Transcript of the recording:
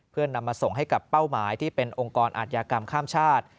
เพื่อนำมาส่งให้กับเป้าหมายที่เป็นองค์กรอาธิกรรมข้ามชาติ